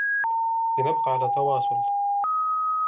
لنبقى على تواصل.